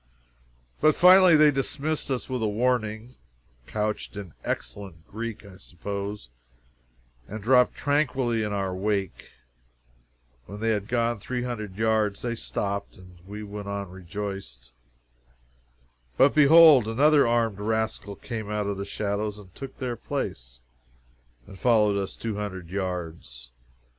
But finally they dismissed us with a warning, couched in excellent Greek, I suppose, and dropped tranquilly in our wake. When they had gone three hundred yards they stopped, and we went on rejoiced. But behold, another armed rascal came out of the shadows and took their place, and followed us two hundred yards.